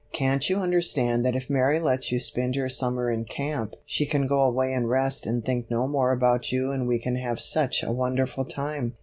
Can't you understand that if Mary lets you spend your summer in camp she can go away and rest and think no more about you and we can have such a wonderful time."